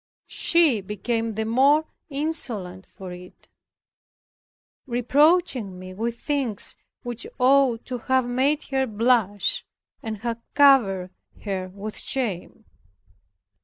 She became the more insolent for it; reproaching me with things which ought to have made her blush and have covered her with shame.